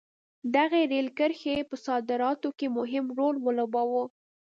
دغې رېل کرښې په صادراتو کې مهم رول ولوباوه.